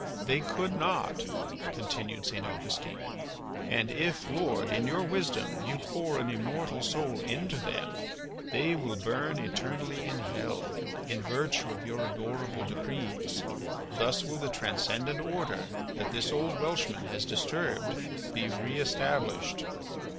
"They could not," continued St. Augustine. "And if, Lord, in your wisdom, you pour an immortal soul into them, they will burn eternally in hell in virtue of your adorable decrees. Thus will the transcendent order, that this old Welshman has disturbed, be re established."